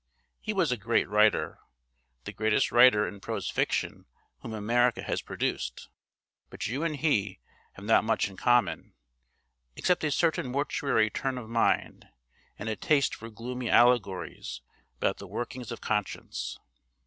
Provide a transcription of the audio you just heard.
He was a great writer the greatest writer in prose fiction whom America has produced. But you and he have not much in common, except a certain mortuary turn of mind and a taste for gloomy allegories about the workings of conscience.